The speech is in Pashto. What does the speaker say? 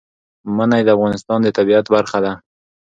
منی د افغانستان د طبیعت برخه ده.